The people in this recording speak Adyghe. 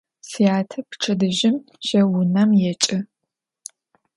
Сятэ пчэдыжьым жьэу унэм екӏы.